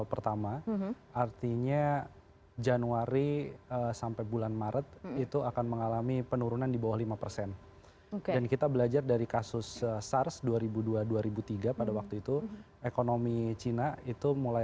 pemerintah juga menghentikan promosi wisata